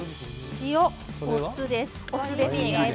塩とお酢です。